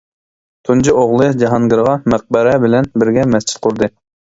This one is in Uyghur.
تۇنجى ئوغلى جاھانگىرغا مەقبەرە بىلەن بىرگە مەسچىت قۇردى.